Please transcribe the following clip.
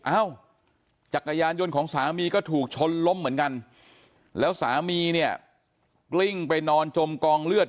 อ้าวจักรยานยนต์ของสามีก็ถูกชนล้มเหมือนกันแล้วสามีเนี่ยกลิ้งไปนอนจมกองเลือด